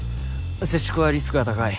接触はリスクが高い。